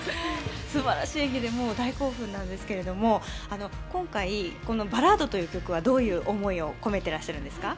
すばらしい演技で大興奮なんですけれども、今回、「バラード」という曲にはどんな思いを込めていますか？